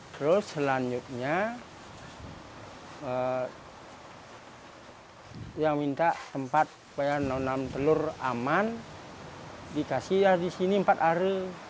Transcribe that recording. terus selanjutnya yang minta tempat bayar enam telur aman dikasih di sini empat hari